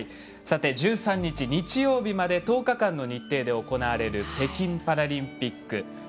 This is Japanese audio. さて、１３日、日曜日まで１０日間の日程で行われる北京パラリンピック。